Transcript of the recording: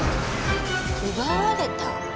奪われた？